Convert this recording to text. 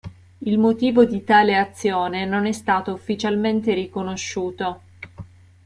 Il motivo di tale azione non è stato ufficialmente riconosciuto".